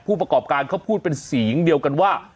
ผู้ประกอบการเขาพูดเป็นเสียงเดียวกันว่า